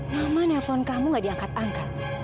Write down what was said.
mama nelfon kamu gak diangkat angkat